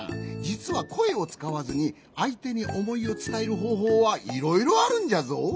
じつはこえをつかわずにあいてにおもいをつたえるほうほうはいろいろあるんじゃぞ。